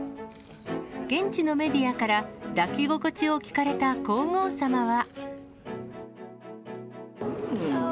現地のメディアから、抱き心地を聞かれた皇后さまは。